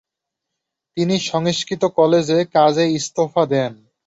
তিনি সংস্কৃৃত কলেজের কাজে ইস্তফা দেন।